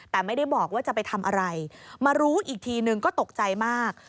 แต่ไม่ได้บอกว่าจะไปทำอะไรมารู้อีกทีนึงก็ตกใจมาก